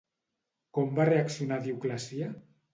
Com va reaccionar Dioclecià?